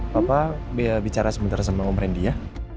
bapak biar bicara sebentar sama om randy ya